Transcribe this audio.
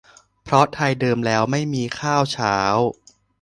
เพราะไทยเดิมแล้วไม่มีข้าวเช้า